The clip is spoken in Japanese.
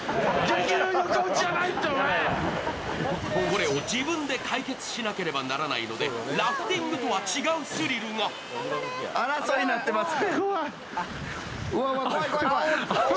これを自分で解決しなくてはならないのでラフティングとは違うスリルが争いになってます。